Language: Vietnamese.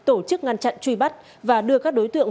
tổ chức ngăn chặn truy bắt và đưa các đối tượng